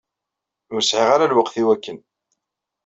Ur sɛiɣ ara lweqt i wakken.